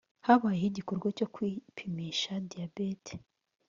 Habayeho igikorwa cyo kwipimisha diyabete